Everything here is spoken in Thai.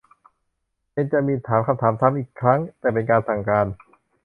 เบนจามินถามคำถามซ้ำอีกครั้ง แต่เป็นการสั่งการ